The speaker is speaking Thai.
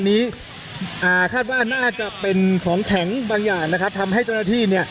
ทางกลุ่มมวลชนทะลุฟ้าทางกลุ่มมวลชนทะลุฟ้า